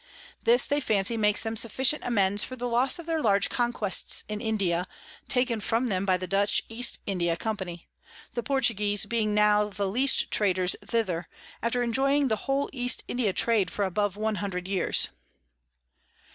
This they fancy makes them sufficient amends for the Loss of their large Conquests in India, taken from them by the Dutch East India Company; the Portuguese being now the least Traders thither, after enjoying the whole East India Trade for above one hundred Years.